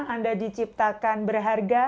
anda diciptakan berharga